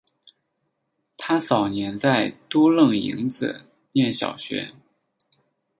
他早年在都楞营子念小学。